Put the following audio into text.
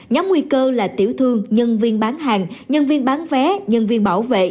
nhóm nguy cơ là tiểu thương nhân viên bán hàng nhân viên bán vé nhân viên bảo vệ